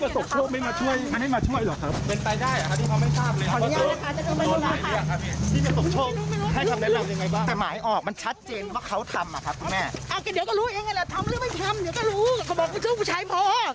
ทำหรือไม่ทำเดี๋ยวก็รู้เขาบอกว่าเชื่อว่าผู้ชายพอ